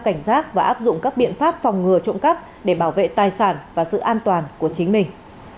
cảnh giác và áp dụng các biện pháp phòng ngừa trộm cắp để bảo vệ tài sản và sự an toàn của chính mình